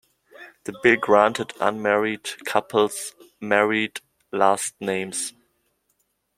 The bill granted unmarried couples married last names.